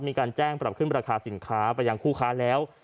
มีการแจ้งปรับขึ้นราคาสินค้าไปยังคู่ค้าแล้ว